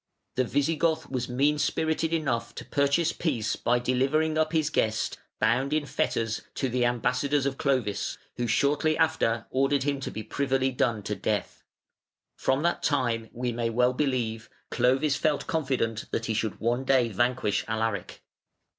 The Visigoth was mean spirited enough to purchase peace by delivering up his guest, bound in fetters, to the ambassadors of Clovis, who shortly after ordered him to be privily done to death. From that time, we may well believe, Clovis felt confident that he should one day vanquish Alaric.